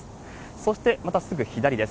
そして、またすぐ左です。